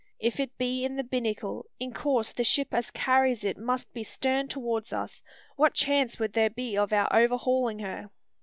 If it be in the binnacle, in course the ship as carries it must be stern towards us. What chance would there be of our overhaulin' her?"